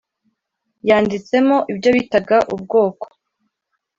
yanditsemo ibyo bitaga ubwoko